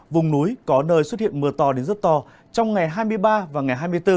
vùng núi có nơi xuất hiện mưa to đến rất to trong ngày hai mươi ba và ngày hai mươi bốn